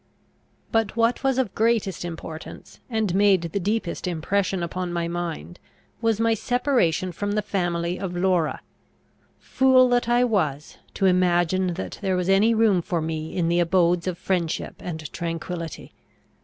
But what was of greatest importance, and made the deepest impression upon my mind, was my separation from the family of Laura. Fool that I was, to imagine that there was any room for me in the abodes of friendship and tranquillity!